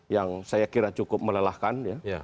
yang saya kira cukup melelahkan ya